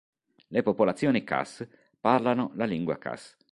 Le popolazioni Khas parlano la lingua Khas.